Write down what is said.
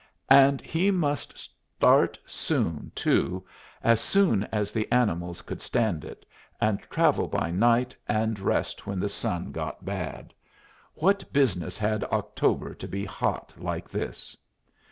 And he must start soon, too, as soon as the animals could stand it, and travel by night and rest when the sun got bad. What business had October to be hot like this?